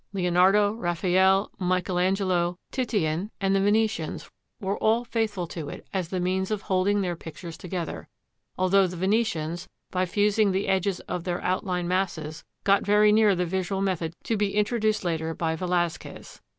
Leonardo, Raphael, Michael Angelo, Titian, and the Venetians were all faithful to it as the means of holding their pictures together; although the Venetians, by fusing the edges of their outline masses, got very near the visual method to be introduced later by Velazquez.